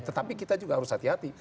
tetapi kita juga harus hati hati